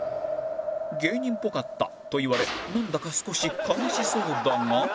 「芸人っぽかった」と言われなんだか少し悲しそうだが